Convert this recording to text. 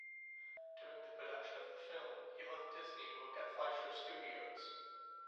During the production of the film he left Disney to work at Fleischer Studios.